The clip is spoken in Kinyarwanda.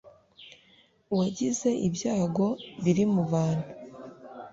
wagize ibyago biri mubantu